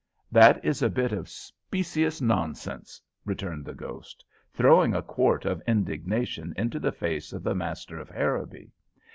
"That is a bit of specious nonsense," returned the ghost, throwing a quart of indignation into the face of the master of Harrowby.